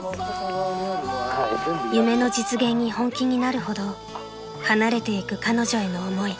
［夢の実現に本気になるほど離れていく彼女への思い］